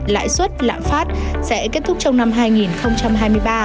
lãi suất lạm phát sẽ kết thúc trong năm hai nghìn hai mươi ba